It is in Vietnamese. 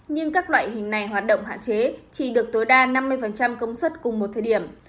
nhưng các loại hình này hoạt động hạn chế chỉ được tối đa năm mươi công suất cùng một thời điểm